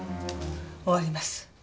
終わります。